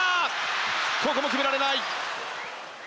ここも決められない！